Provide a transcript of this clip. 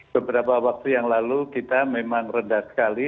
beberapa waktu yang lalu kita memang rendah sekali